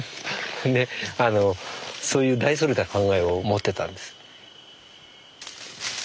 そういう大それた考えを持ってたんです。